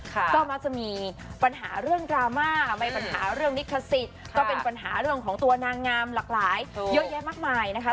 ก็มักจะมีปัญหาเรื่องดราม่ามีปัญหาเรื่องลิขสิทธิ์ก็เป็นปัญหาเรื่องของตัวนางงามหลากหลายเยอะแยะมากมายนะคะ